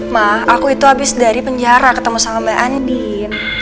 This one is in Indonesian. mah aku itu habis dari penjara ketemu sama mbak andi